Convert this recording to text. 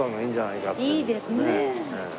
いいですね。